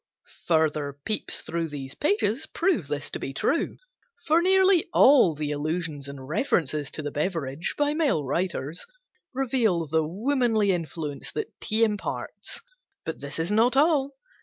Further peeps through these pages prove this to be true; for nearly all the allusions and references to the beverage, by male writers, reveal the womanly influence that tea imparts. But this is not all.